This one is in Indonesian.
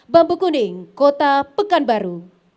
bambu kuning kota pekanbaru